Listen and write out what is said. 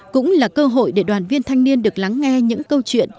cũng là cơ hội để đoàn viên thanh niên được lắng nghe những câu chuyện